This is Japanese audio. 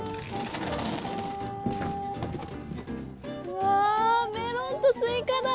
うわぁメロンとスイカだ！